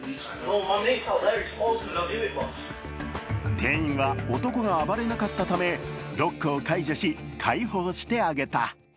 店員は男が暴れなかったためロックを解除し、解放してあげた。